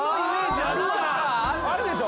あるでしょ？